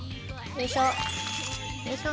よいしょ。